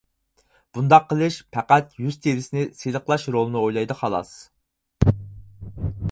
بۇنداق قىلىش پەقەت يۈز تېرىسىنى سىلىقلاش رولىنى ئوينايدۇ، خالاس.